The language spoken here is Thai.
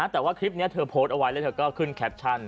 แต่ว่าคลิปนี้เธอโพสต์เอาไว้แล้วเธอก็ขึ้นแคปชั่น